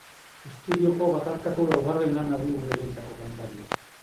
Estudioko bakarkako laugarren lana du Oreretako kantariak.